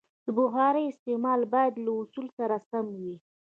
د بخارۍ استعمال باید له اصولو سره سم وي.